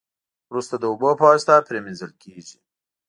وروسته د اوبو په واسطه پری مینځل کیږي.